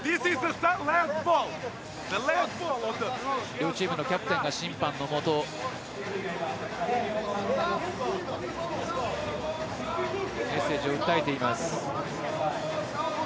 両チームのキャプテンが審判のもとでメッセージを訴えています。